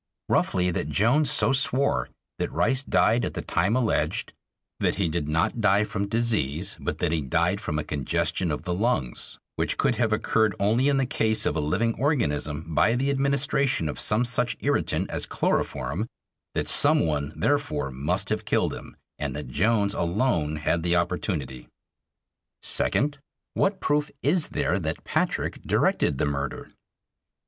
Roughly, that Jones so swore; that Rice died at the time alleged; that he did not die from disease, but that he died from a congestion of the lungs which could have occurred only in the case of a living organism by the administration of some such irritant as chloroform; that some one, therefore, must have killed him, and that Jones alone had the opportunity. Second: What proof is there that Patrick directed the murder?